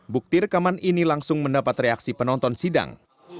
bukti rekaman ini langsung mendapat reaksi penonton sidang